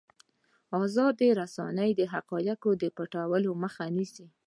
ازادې رسنۍ د حقایقو پټولو مخه نیسي.